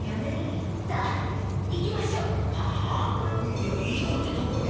いや行こうってどこへ？